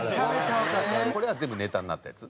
これは全部ネタになったやつ？